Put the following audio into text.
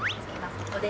ここです